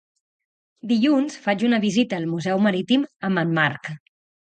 Dilluns faig una visita al Museu Marítim amb en Marc.